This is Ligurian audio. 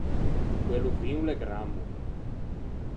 Quello vin o l’é grammo.